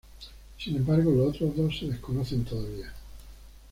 Sin embargo los otros dos se desconocen todavía.